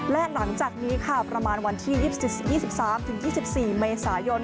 และหลังจากนี้ค่ะประมาณวันที่๒๓๒๔เมษายน